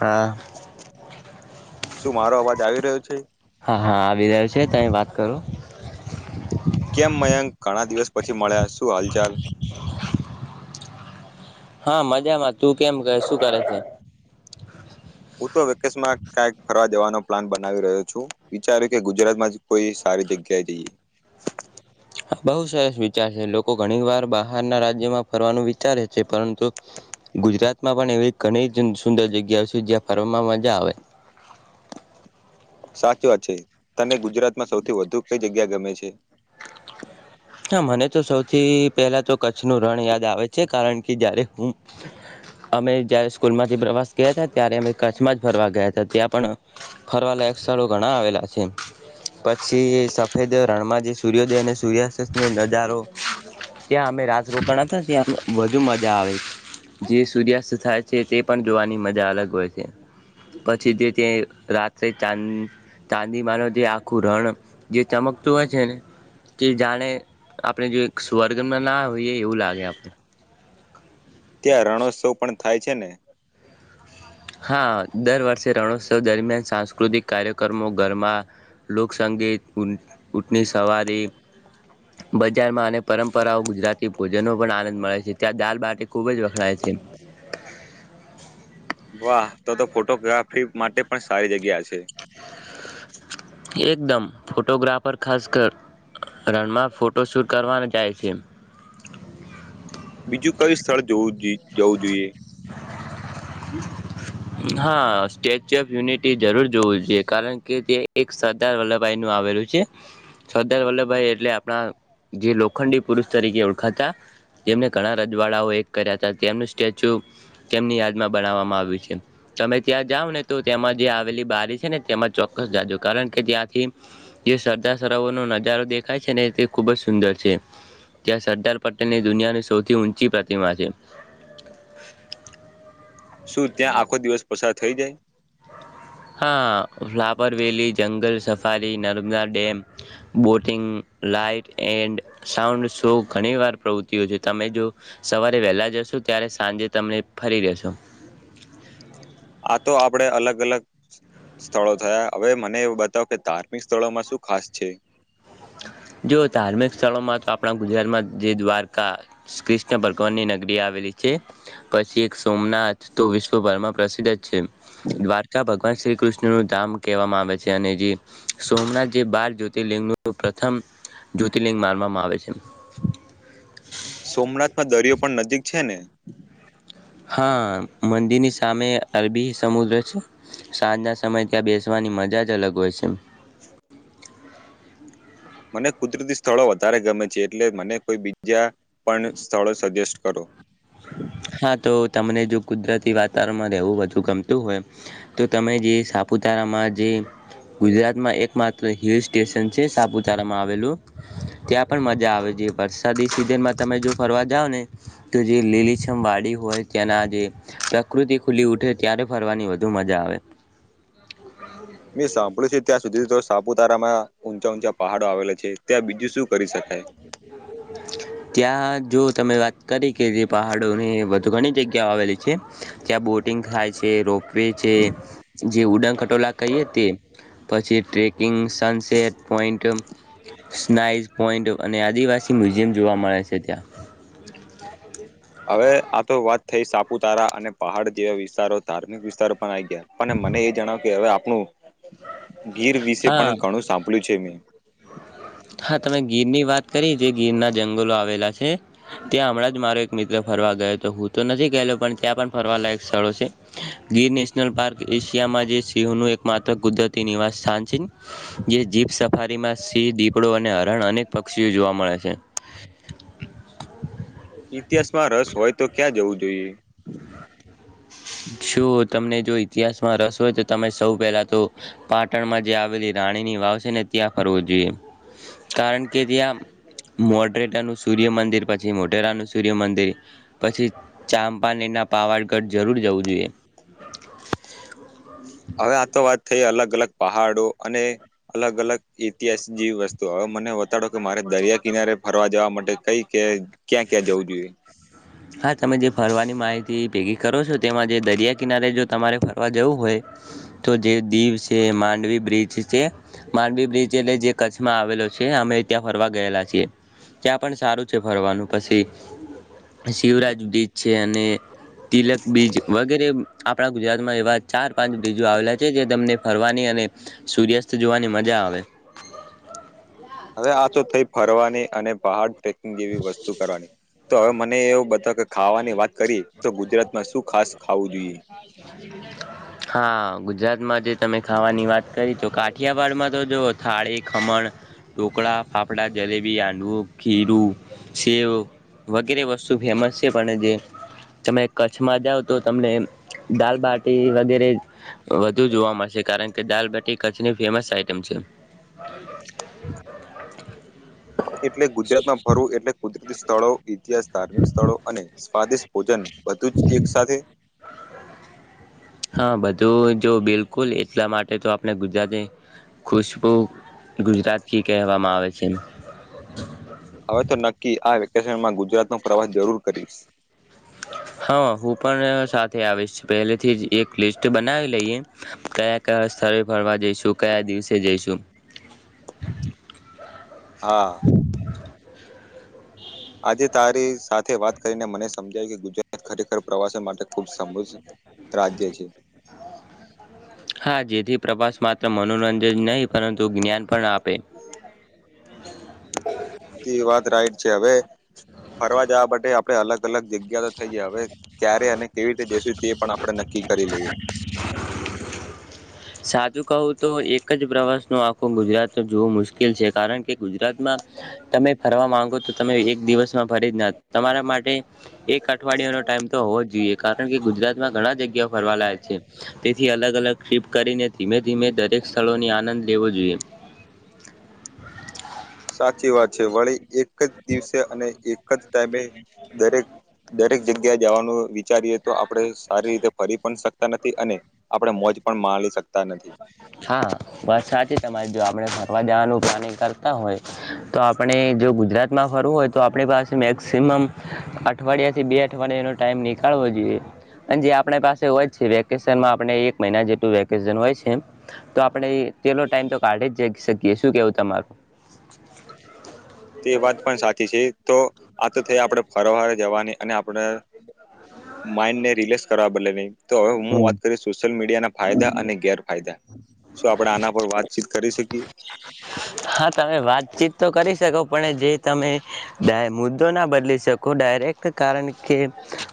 હા શું મારો અવાજ આવી રહ્યો છે. હા આવી રહ્યું છે તમે વાત કરો. કેમ મયંક ઘણા દિવસ પછી મળ્યા શું હાલચાલ. હા મજામાં તું કેમ શું કરે છે. હું તો વિકસમાં કઈક ફરવા દેવાનો પ્લાન બનાવી રહ્યો છું વિચાર્યું કે ગુજરાતમાં કોઈ સારી જગ્યાએ જઈએ. આ બહુ સરસ વિચાર છે લોકો ઘણી વાર બહારના રાજ્યમાં ફરવાનું વિચારે છે પરંતુ ગુજરાતમાં પણ એવી ઘણી સુંદર જગ્યા છે જ્યાં ફરવામાં મજા આવે. સાચી વાત છે તને ગુજરાતમાં સૌથી વધુ કઈ જગ્યા ગમે છે. હા મને તો સૌથી પેલા તો કચ્છ ન રણ યાદ આવે છે કારણ કે જયારે હું અમે જયારે સ્કૂલ માંથી પ્રવાસ ગયા હતા ત્યારે અમે કચ્છમાં જ ફરવા ગયા હતા ત્યાં પણ ફરવા લાગ્યા. સ્ળો ઘણા આવેલા છે પછી સફેદ રણમાં જે સૂર્યોદય અને સૂર્યાસ્ત નો નજારો. ત્યાં અમે રાત રોકાણ હતા ત્યાં વધુ મજા આવે જે સૂર્યાસ્ત થાય છે તે પણ જોવાની મજા અલગ હોય છે. પછી જે ત્યાં રાત્રે ચાંદ ચાંદી મા ન જે આખું રણ જે ચમકતું હોય છે ને. કે જાણે આપણે જો એક સ્વર્ગમાં ના હોઈએ એવું લાગે આપણે ત્યાં રણોત્સવ પણ થાય છે ને હા દર વર્ષે રણોત્સવ દરમિયાન સાંસ્કૃતિક કાર્યક્રમો ગરમાં, લોકસંગ ગીત, ઉઠણી સવારી બજારમાં અને પરંપરાઓ ગુજરાતી ભોજનનો પણ આનંદ મળે છે, ત્યાં દાલ બાટી ખુબ જ વખણાય છે. વાહ તો તો ફોટોગ્રાફી માટે પણ સારી જગ્યા છે. એકદમ ફોટોગ્રાફર ખાસ કર રણમાં ફોટો શૂટ કરવા જાય છે. બીજું કઈ સ્થળ જવું જોઈએ. હા સ્ટેચ્યુ ઓફ યુનિટી જરૂર જોવું જોઈએ કારણ કે તે એક સરદાર વલ્લભભાઈ નું આ આવેલું છે. સરદાર વલ્લભભાઈ એટલે આપણા જે લોખંડી પુરુષ તરીકે ઓળખાતા જેમને ઘણા રજવાડાઓ એક કર્યા હતા તેમનું સ્ટેચ્યુ તેમની યાદમાં બનાવવામાં આવ્યું છે. તમે ત્યાં જાઓ ને તો તેમાં જે આવેલી બારી છે, ને તેમાં ચોક્કસ જાજો કારણ કે ત્યાંથી જે શધા સવોનો નજારો દેખાય છે ને તે ખુબ જ સુંદર છે. ત્યાં સરદાર પટેલની દુનિયાની સૌથી ઊંચી પ્રતિમા છે. શું ત્યાં આખો દિવસ પસાર થઈ જાય. [inaudible] હા ફ્લાવર વેલી, જંગલ safari, Narmada dam, boating light and sound show ઘણી વાર પ્રવૃત્તિઓ છે. તમે જો સવારે વહેલા જશો ત્યારે સાંજે તમે ફરી રહેેશો. આ તો આપડે અલગ અલગ સ્થળો થયા હવે મને એવું બતાવ કે ધાર્મિક સ્થળોમાં શું ખાસ છે. જો ધાર્મિક સ્થળોમાં તો આપણા ગુજરાતમાં જે દ્વાર કૃષ્ણ ભગવાનની નગરી આવેલી છે પછી એક સોમનાથ તો વિશ્વભર પ્રસિદ્ધ છે. દ્વારકા ભગવાન શ્રી કૃષ્ણનું ધામ કહેવામાં આવે અને જે સોમનાથ જે બાર જ્યોતિર્લિંગનું તે પ્રથમ જ્યોતિર્લિંગ માનવામાં આવે છે. સોમનાથમાં દરિયો પણ નજીક છે ને હા મંદિરની સામે અરબી સમુદ્ર છે સાંજના સમય ત્યાં બેસવા અનેની મજા જ અલગ હોય છે. [inaudible] મને કુદરતી સ્થળો વધારે ગમે છે, એટલે મને કોઈ બીજા પણ સ્થળો સજેસ્ટ કરો. [inaudible] હા તો તમને જો કુદરતી વાતાવરણમાં રહેવું વધુ ગમતું હોય તો તમે જે સાપુતારામાં જે ગુજરાતમાં એકમાત્ર હિલ સ્ટેશન છે સાપુતારામાં આવેલું. ત્યાં પણ મજા આવે છે વરસાદી સિઝનમાં તમે જો ફરવા જાવ ને તો જે લીલી છમ વાડી હોય તેના જે પ્રકૃતિ ખુલી ઉઠે ત્યારે ફરવાની વધુ મજા આવે. મે સાંભ્યું છે. ત્યાં સુધી તો સાપુતારામાં ઊંચા ઊંચા પહાડો આવેલા છે, ત્યાં બીજું શું કરી શકાય. [inaudible] ત્યાં જો તમે વાત કરી કે જે પહાડોની વધુ ઘણી જગ્યાઓ આવેલી છે. બોટિંગ થાય છે, રોપ વે છે, જે ઉડ ખટોલા કહીએ તે. પછી trekking, sunset point. Sunrise point અને આદિવાસી મ્યુઝિયમ જોવા મળે છે ત્યાં. હવે આ તો વાત થઈ સાપુતારા અને પહાડ જેવા વિસ્તારો ધાર્મિક વિસ્તારો પણ આઈ ગયા પણ આમ મને એ જણાવો કે હવે આપણું ગીર વિશે હા પણ ઘણું સાંભળ્યું છે મેં. હા તમે ગીર ની વાત કરી જે ગીરના જંગલો આવેલા છે, ત્યાં હમણાં જ મારો એક મિત્ર ફરવા ગયો તો હું તો નથી ગેલો પણ ત્યાં પણ ફરવાલાયક સ્થળો છે. ગીર નેશનલ પાર્ક એશિયામાં જે સી નું એક માત્ર કુદરતી નિવાસ સ્થાન છે જે જીપ સફારીમાં સિંહ દીપડો અને હરણ અનેક પક્ષીઓ જોવા મળે છે. ઇતિહાસમાં રસ હોય તો ક્યાં જવું જોઈએ? શું તમને જો ઇતિહાસમાં રસ હોય તો તમે સૌ પહેલાં તો પાટણમાં જે આવેલી રાણીની વાવ છે ને ત્યાં ફરવું જોઈએ કારણ કે ત્યાં મોઢરેટાનું સૂર્યમંદિર પછી મોઢરાનું સૂર્યમંદિર પછી ચાંપાનીનું પાવાડગઢ જરૂર જવું જોઈએ. હવે આ તો વાત થઈ અલગ અલગ પહાડો અને અલગ અલગ ઇતિહાસિક જેવી વસ્તુ હવે મને બતાડો કે મારે દરિયા કિનારે ફરવા જવા માટે કઈ ક ક્યાં ક્યાં જવું જોઈએ. હા તમે જે ફરવાની માહિતી ભેગી કરો છો તેમાં જે દરિયા કિનારે જો તમારે ફરવા જવું હોય. તો જે દીવ છે માંડવી બ્રિજ છે માંડવી બ્રિજ એટલે જે કચ્છમાં આવેલો છે અમે ત્યાં ફરવા ગયેલા છીએ ત્યાં પણ સારું છે ફરવાનું. પછી શિવરાજ બીચ છે અને તિલક બીજ વગેરે આપડા ગુજરાતમાં એવા ચાર પાંચ બીજો આવેલા છે જે તમને ફરવાની અને સૂર્યાસ્ત જોવાની મજા આવે. હવે આ તો થઈ ફરવાની અને પહાર ટ્રેકિંગ જેવી વસ્તુ કરવાની. તો હવે મને એવું બત કે ખાવાની વાત કરીએ તો ગુજરાતમાં શું ખાસ ખાવું જોઈએ. હા ગુજરાતમાં જે તમે ખાવાની વાત કરી તો કાઠિયાવાડમાં તો જોઓ થાળી, ખમણ ઢોકળા, ફાફડા, જલેબી, આંડવું ખીરું સેવ વગેરે વસ્તુ ફેમસ છે પણ જે તમે કચ્છમાં જાવ તો તમને દાલબાટી વગેરે વધુ જોવા મળશે કારણ કે દાલબટી કચ્છની ફેમસ આઈટમ છે. એટલે ગુજરાતમાં ફરવું એટલે કુદરતી સ્થળો ઇતિહાસ ધાર્મિક સ્થળો અને સ્વાદિષ્ટ ભોજન બધું જ એક સાથે. હા બધું જો બિલકુલ એટલા માટે તો આપણે ગુજરાતે ખુશબુ ગુજરાતથી કહેવામાં આવે છે. હવે તો નક્કી આ વેકેશનમાં ગુજ હા હું પણ સા તે આવેશ પહેલેથી એક લિસ્ટ બનાવી લઈએ કયા કયા સ્થળ ફરવા જઈશું કયા દીવ દિવસે જઈશું. [inaudible] હા. [inaudible] આજે તારી સાથે વાત કરીને મને સમજાય કે ગુજરાત ખરેખર પ્રવાસન માટે ખુબ સમૃદ્ધ રાજ્ય છે. હા જેથી પ્રવાસ માત્ર મનોરંજન નહીં પરંતુ જ્ઞાન પણ આપે. તે વાત રાઈટ છે હવે ફરવા જવા માટે આપડે અલગ-અલગ જગ્યા જગ્યા તો થઈ જાય હવે ક્યારે અને કેવી રીતે જશું તે પણ આપડણે નક્કી કરી લઈએ. [inaudible] સાત સાચું કહું તો એક જ પ્રવાસનો આખું ગુજરાત જોવું મુશ્કેલ છે કારણ કે ગુજરાતમાં તમે ફરવા માંગો તો તમે એક દિવસમાં ફરી જ ના તમારા માટે એક અઠવાડિયાનો ટાઈમ તો હોવો જ જોઈએ કારણ કે ગુજરાતમાં ઘણા જગ્યાઓ ફરવા લાયક છે તેથી અલગ-અલગ ટ્રીપ કરીને ધીમે ધીમે દરેક સ્થળોની આનંદ લેવો જોઈએ. [inaudible] સાચી વાત છે વળી એક જ દિવસે અને એક જ ટાઈમે દરેક દરેક જગ્યા જવાનું વિચારીએ તો આપણે સારી રીતે ફરી પણ શકતા નથી અને આપણે મોજ પણ માણી શકતા નથી. હા વાત સાચી તમારી જો આપડે ફરવા જવાનુ પ્લાનિંગ કર કરતા હોય તો આપણે જો ગુજરાતમાં ફરવું હોય તો આપણી પાસે મેક્સિમમ અઠવાડિયું અઠવાડિયા થી બે અઠવાડિયાનો ટાઈમ નીકળ હોય છે. વેકેશનમા આપણને એક મહિના જેટલું વેકેશન હોય છે તો આપણે એટલો ટાઈમ તો કાઢી જ છે શકીએ શું કેવું તમારું? [inaudible] તે વાત પણ સાચી છે તો આ તો થઈ આપણે ફરવા જવાની અને આપડે માઇન્ડ ને રિલેક્સ કરવા બદલે ભી તો હવે હું હમ વાત કરીશ સોશિયલ મીડિયાના ફાયદા અને ગેરફાયદા શું આપણેે આના પર વાતચીત કરી કરી શકીએ? હા તમે વાતચીત તો કરી શકો પણ એ જે તમે મુદ્દો ના બદલી શકો ડા ડાયરેક્ટ કારણ કે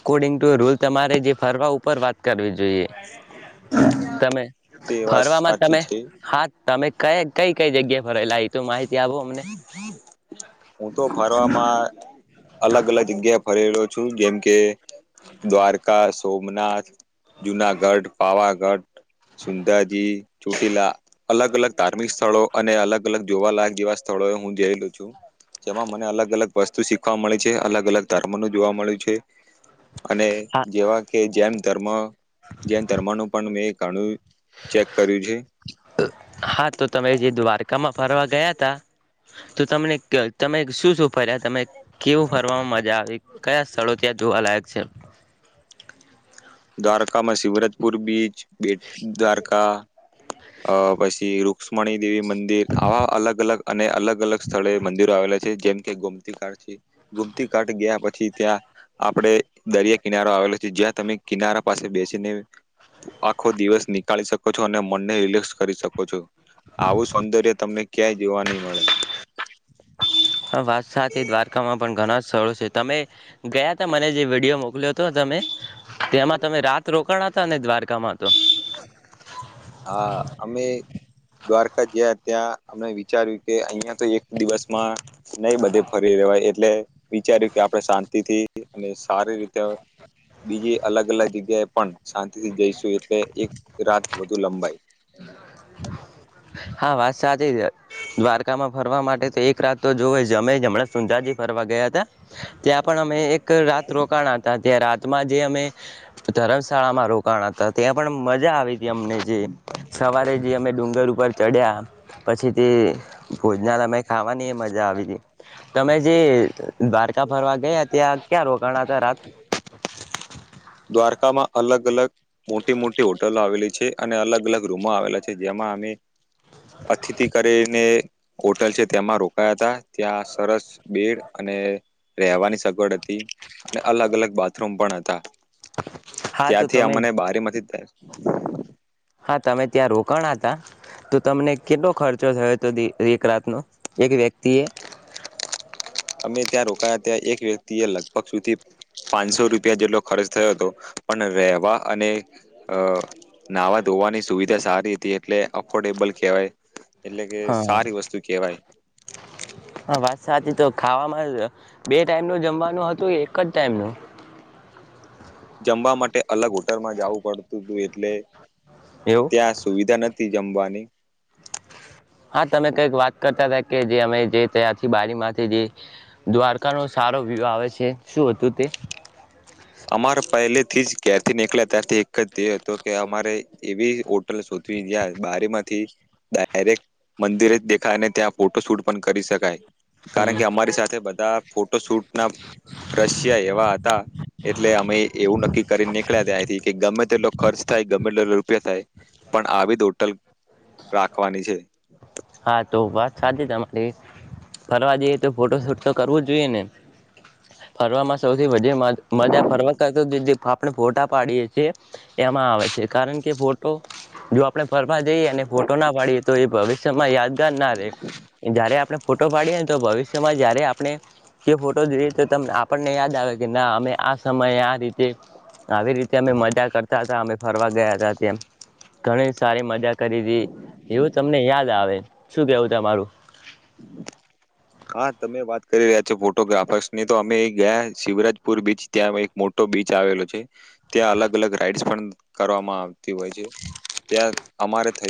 અકોર્ડિંગ ટુ રૂલ તમારે જે ફરવા ઉપર વાત કરવી જોઈએ. જોઈએ તમે તે વાત ફરવામાં સાચી તમે છે હા તમે કઈ કઈ કઈ જગ્યા ફરેલા એ તો માહિતી આપો અમને. અલગ-અલગ જગ્યાએ ફરેલો છું જેમ કે દ્વારકા સોમનાથ, જુનાગઢ, પાવાગઢ, સુંદાજી ચોટીલા અલગ-અલગ ધાર્મિક સ્થળો અને અલગ-અલગ જોવાલાયક જેવા સ્થળોએ હું જયલું છું. જેમાં મને અલગ-અલગ વસ્તુ શીખવા મળી છે અલગ-અલગ ધર્મ નું જોવા મળ્યું છે. અને હા જેવા કે જૈન ધર્મ જૈન ધર્મનું પણ મેં ગણું હા તો તમે જે દ્વારકામાં ફરવા ગયા તા તો તમને ક તમે શું શું ફર્યા તમે કેવું ફરવામાં મજા આવી કયા સ્થળો ત્યાં જોવાલાયક છે. દ્વારકામાં શિવરજપુર બીચ બેડ દ્વારકા અ પછી રુક્ષ્મણી દેવી મંદિર આવા અલગ-અલગ અને અલગ-અલગ સ્થળે મંદિરો આવેલા છે જેમ કે ગોમતી ઘાટ છે. ગુમતી ઘાટ ગયા પછી ત્યાં આપડે દરિયા કિનારો આવેલો છે જ્યાં તમે કિનારા પાસે બેસીને આખો દિવસ નીકાળી શકો છો અને મનને રિલેક્સ કરી શકો છો. આવું સૌંદર્ય તમને ક્યાંય જોવા નહી મળે. હા વાત સાચી, દ્વારકામાં પણ ઘણા સથળો છે. તમે ગયા હતા મને જે વિડીયો મોકલ્યો હત તેમાં તમે રાત રોકાણ હતા અને દ્વારકામાં તો? [inaudible] હા અમે દ્વારકા ગયા ત્યાં અમને વિચાર્યું કે અહિયાં તો એક દિવસમાં નહી બધે ફરી રહેેવાય એટલે વિચાર્યું કે, આપણે શાંતિ થી અને સારી રીતે હવે બીજી અલગ અલગ જગ્યાએ પણ, શાંતિ થી જઈશું એટલે એક રાત વધુ લંબાઈ હા વાત સાચી છે. દ્વારકામાં ફરવા માટે તો એક રાત તો જોવે જ, અમે હમણાં સુંજાજી ફરવા ગયા હતા. ત્યાં પણ અમે એક રાત રોકાણા હતા, ત્યાં રાતમાં જ જે અમે ધર્મશાળામાં રોકાણ હતા. ત્યાં પણ મજા આવી હતી, અમને જે સવારે જે અમે ડુંગર ઉપર ચડ્યા પછી તે ભોજનાલયમાં ખાવાની એ મજા આવી હતી તમે જે દ્વારકા ફરવા ગયા ત્યાં ક્યાં રોકાણ હતા રાત? દ્વારકામાં અલગ અલગ મોટી મોટી હોટલો આવેલી છે. અને અલગ અલગ રૂમો આવેલા છે. જેમાં [inaudible] અતિથિ કરીને હોટલ છે. તેમાં રોકા ગયા હતા ત્યાં સરસ બેીડ અને રહેેવાની સગવડ હતી. અને અલગ અલગ બાથરૂમ પણ હતા. હા તો ત્યાંથી તમે અમને બારીમાંથી જ હા તમે ત્યાં રોકાણા તા? તો તમને કેટલો ખર્ચો થયો તો એક રાતનો? એક વ્યક્તિએ? [inaudible] અમે ત્યાં રોકાયા ત્યાં એક વ્યક્તિએ લગભગ સુધી પાંચસો રૂપિયા જેટલો ખર્ચ થયો તો, પણ રહેવા અને અ નાવાધોવા ધોવાની સુવિધા સારી હતી. એટલે અફોર્ડેબલ કેવાય. હહ હહ વાત સાચી તો ખાવામાં બે ટાઈમનું જમવાનું હતું એક જ ટાઈમનું? જમવા માટે અલગ હોટલમાં જાવું પડતું તું, એટલે એવું ત્યાં સુવિધા નત નતી જમવાની હા તમે કઈક વાત કરતા તા કે, જે અમે જે ત્યાંથી બારીમાંથી જે દ્વારકાનો સારો વ્યુ આવે છે શું હતું તે? [inaudible] અમારે પહેલેથી જ ઘેરથી નીકળ્યા ત્યારથી એક જ ધ્યેય હતો કે, અમારે એવી હોટલ શોધ થી જ્યાં બારીમાંથી ડાયરેક્ટ મંદિર જ દેખાયને ત્યાં ફોટો શૂટ પન કરી શકાય. કારણ હમ કે, અમારી સાથે બધા ફોટો શૂટના રશિયા એવા હતા. એટલે અમે એવું નક્કી કરીને નીકળ્યા ત્યાંથી કે ગમે તેટલો ખર્ચ થાય, ગમે તેટલા રૂપિયા થાય પણ, આવી જ હોટલ રાખવાની છે. હા, તો વાત સાચી તમારી. ફરવા જઈએ તો, ફોટો શૂટ તો કરવું જ જોઈએ ને, ફરવામાં સૌથી વધુ મજે મજા ફરવા કરતા તો જે જે આપણે ફોટા પાડીએ છીએ એ એમાં આવે છે. કારણ કે ફોટો જો આપણે ફરવા જઈએ અને ફોટો ના પાડીએ તો, એ ભવિ સમય યાદગાર ના રે, જયારે આપણે ફોટો પાડીએ ને તો, ભવિષ્યમાં જયારે આપણે તે ફોટો જોઈએ તો, તમને આપણને યાદ આવે કે ના અમે આ સમયે આ રીતે આવી રીતે અમે મજા કરતા તા, અમે ફરવા ગયા તા તેમ ઘણી સારી મજા કરીતી એવું તમને યાદ આવે. શું કેવું તમારું? [inaudible] હા તમે વાત કરી રહ્યા છો ફોટોગ્રાફર્સની તો, અમે ગયા શિવરાજપુર બીચ ત્યાં એક મોટ મોટો બીચ આવેલો છે. ત્યાં અલગ અલગ રાઈડ્સ પન કરવામાં આવતી હોય છે. ત્યાં અમારે થયું